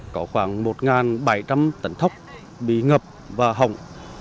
có khoảng một bảy trăm linh tấn thóc bị ngập và hỏng